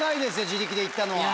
自力で行ったのは。